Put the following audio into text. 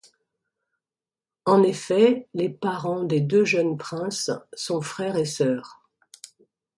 En effet, les parents des deux jeunes princes, sont frère et sœur.